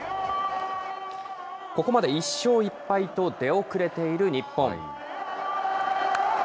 ここまで１勝１敗と出遅れている日本。